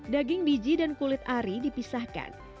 daging biji dan kulit ari dipisahkan